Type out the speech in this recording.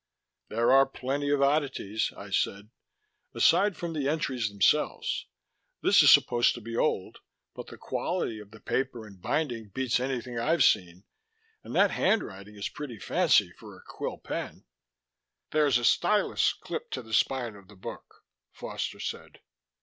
_" "There are plenty of oddities," I said. "Aside from the entries themselves. This is supposed to be old but the quality of the paper and binding beats anything I've seen. And that handwriting is pretty fancy for a quill pen " "There's a stylus clipped to the spine of the book," Foster said.